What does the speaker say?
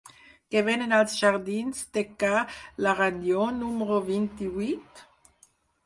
Què venen als jardins de Ca l'Aranyó número vint-i-vuit?